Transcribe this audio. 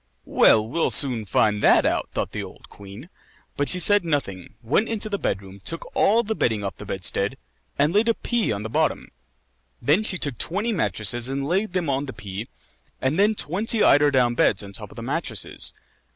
"Well, we'll soon find that out," thought the old queen. But she said nothing, went into the bed room, took all the bedding off the bedstead, and laid a pea on the bottom; then she took twenty mattresses and laid them on the pea, and then twenty eider down beds on top of the mattresses.